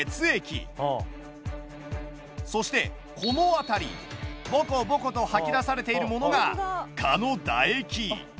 そしてこの辺りボコボコと吐き出されているものが蚊の唾液。